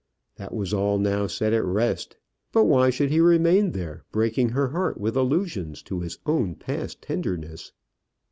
That was all now set at rest; but why should he remain there, breaking her heart with allusions to his own past tenderness?